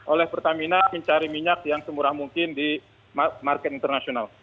oleh pertamina mencari minyak yang semurah mungkin di market internasional